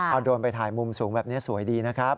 เอาโดรนไปถ่ายมุมสูงแบบนี้สวยดีนะครับ